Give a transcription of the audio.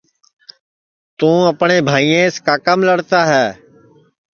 توں اپٹؔؔے بھائیاس کاکام لڑتا ہے